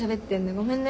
ごめんね。